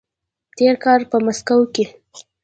تېر کال په مسکو کې